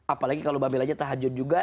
apalagi kalau mbak milanya tahajud juga